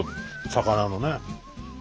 「魚のね」